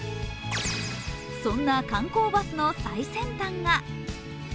そんな観光バスの最先端が。